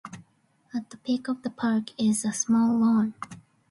At the peak of the park is a small lawn.